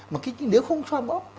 mà nếu không xoa bóp